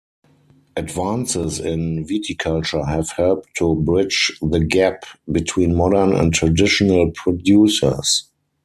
Advances in viticulture have helped to bridge the gap between modern and traditional producers.